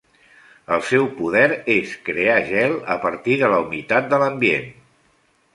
El seu poder és crear gel a partir de la humitat de l'ambient.